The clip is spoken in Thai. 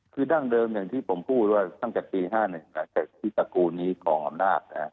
คือดั้งเดิมอย่างที่ผมพูดว่าตั้งแต่ปี๕๑เสร็จที่ตระกูลนี้คลองอำนาจ